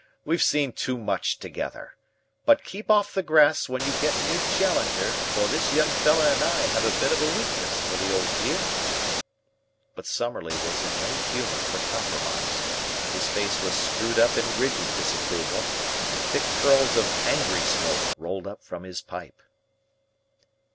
We've seen too much together. But keep off the grass when you get near Challenger, for this young fellah and I have a bit of a weakness for the old dear." But Summerlee was in no humour for compromise. His face was screwed up in rigid disapproval, and thick curls of angry smoke rolled up from his pipe.